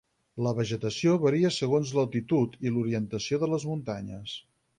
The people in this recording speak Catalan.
La vegetació varia segons l'altitud i l'orientació de les muntanyes.